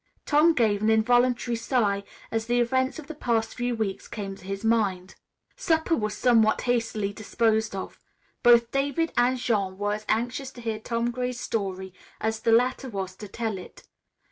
Tom gave an involuntary sigh as the events of the past few weeks came to his mind. Supper was somewhat hastily disposed of. Both David and Jean were as anxious to hear Tom Gray's story, as the latter was to tell it.